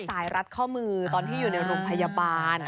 มาจากสายรัดข้อมือตอนที่อยู่ในโรงพยาบาล